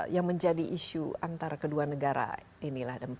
yang menjadi isu antara kedua negara inilah